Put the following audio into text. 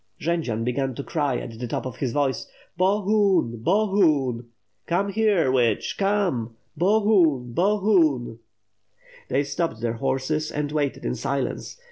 Jendzian began to cry at the top of his voice. "Bo — ^hun! Bo — ^hun! come here, witch, come. Bo— hun! Bo— huni" They stopped their horses and waited in silence.